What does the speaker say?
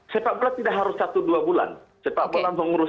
sepak bola tidak harus satu dua bulan sepak bola langsung ngurus